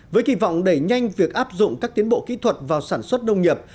với kỳ vọng đẩy nhanh việc áp dụng các tiến bộ kỹ thuật vào sản xuất nông nghiệp